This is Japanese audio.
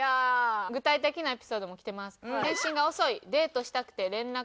具体的なエピソードもきてます。